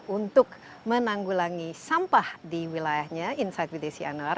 untuk menanggulangi sampah di wilayahnya insight bdc anwar